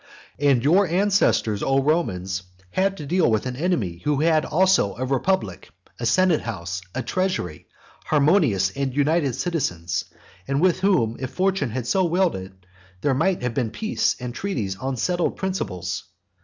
VI. And your ancestors, O Romans, had to deal with an enemy who had also a republic, a senate house, a treasury, harmonious and united citizens, and with whom, if fortune had so willed it, there might have been peace and treaties on settled principles.